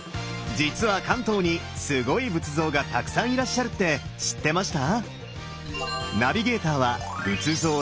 実は関東にすごい仏像がたくさんいらっしゃるって知ってました？